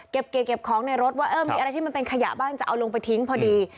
เก็บของในรถว่าเออมีอะไรที่มันเป็นขยะบ้างจะเอาลงไปทิ้งพอดี